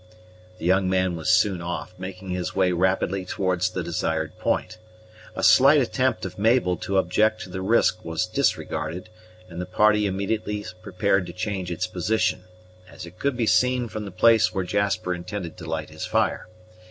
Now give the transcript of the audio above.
The young man was soon off, making his way rapidly towards the desired point. A slight attempt of Mabel to object to the risk was disregarded, and the party immediately prepared to change its position, as it could be seen from the place where Jasper intended to light his fire.